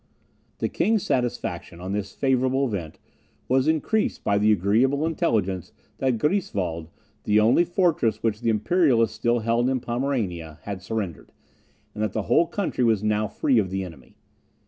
The king's satisfaction, on this favourable event, was increased by the agreeable intelligence that Griefswald, the only fortress which the Imperialists still held in Pomerania, had surrendered, and that the whole country was now free of the enemy.